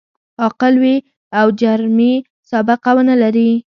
عاقل وي او جرمي سابقه و نه لري.